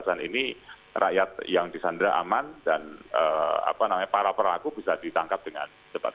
pembebasan ini rakyat yang disandera aman dan para perlaku bisa ditangkap dengan cepat